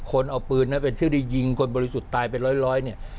คนเอาปืนนั้นเป็นชื่อที่ยิงคนบริสุทธิ์ตายเป็นร้อยเนี่ย